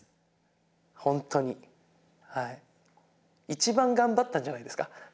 一番頑張ったんじゃないですか。